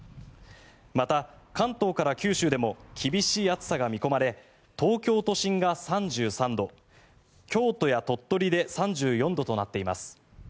また、関東から九州でも厳しい暑さが見込まれ東京都心が３３度京都や鳥取で３４度となっています。